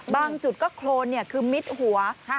จุดก็โครนคือมิดหัว